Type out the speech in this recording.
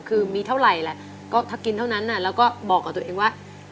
คือมีเท่าไหร่แหละก็ถ้ากินเท่านั้นแล้วก็บอกกับตัวเองว่า